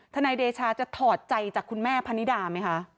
นายเดชาจะถอดใจจากคุณแม่พนิดาไหมคะ